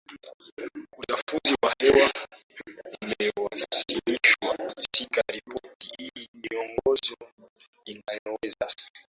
uchafuzi wa hewa umewasilishwa katika ripoti hii Miongozo Inayoweza